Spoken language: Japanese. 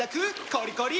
コリコリ！